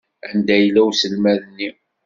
Anda yella uselmad-nni?